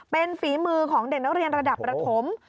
เป็นฝีมือของเด็กนักเรียนระดับระถม